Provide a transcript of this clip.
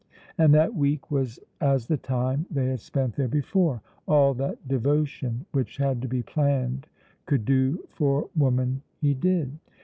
And that week was as the time they had spent there before. All that devotion which had to be planned could do for woman he did.